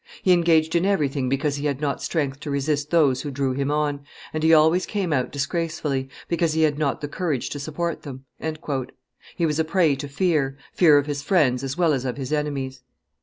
He engaged in everything because he had not strength to resist those who drew him on, and he always came out disgracefully, because he had not the courage to support them." He was a prey to fear, fear of his friends as well as of his enemies.